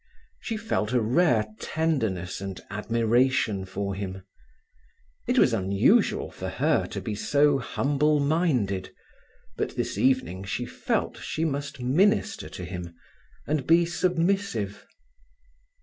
She felt a rare tenderness and admiration for him. It was unusual for her to be so humble minded, but this evening she felt she must minister to him, and be submissive.